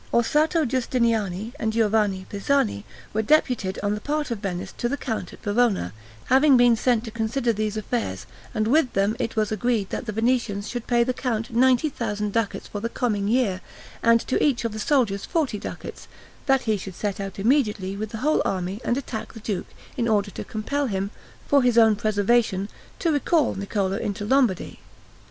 Orsatto Justiniani and Giovanni Pisani were deputed on the part of Venice to the count at Verona, having been sent to consider these affairs, and with them it was agreed that the Venetians should pay the count ninety thousand ducats for the coming year, and to each of the soldiers forty ducats; that he should set out immediately with the whole army and attack the duke, in order to compel him, for his own preservation, to recall Niccolo into Lombardy.